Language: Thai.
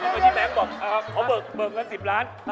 เดี๋ยวแคล์ที่แบงค์บอกอ่าขอเบิ้ลเงิน๑๐ล้าน